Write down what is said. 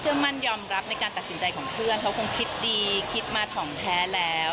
มั่นยอมรับในการตัดสินใจของเพื่อนเขาคงคิดดีคิดมาถ่องแท้แล้ว